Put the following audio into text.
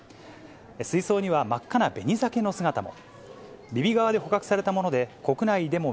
水槽には真っ赤なベニザケの姿も。